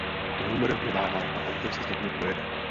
Homer neváhá a autem se s dětmi projede.